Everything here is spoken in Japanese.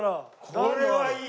これはいい。